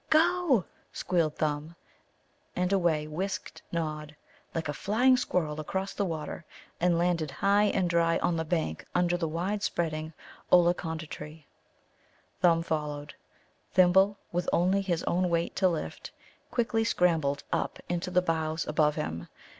"Go!" squealed Thumb; and away whisked Nod, like a flying squirrel across the water, and landed high and dry on the bank under the wide spreading Ollaconda tree. Thumb followed. Thimble, with only his own weight to lift, quickly scrambled up into the boughs above him.